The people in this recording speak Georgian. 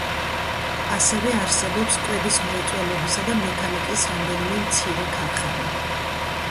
ასევე არსებობს კვების მრეწველობისა და მექანიკის რამდენიმე მცირე ქარხანა.